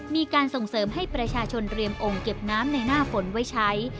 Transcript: มีการส่งเสริมให้ประชาชนเรียมองค์เก็บน้ำในหน้าฝนไว้ใช้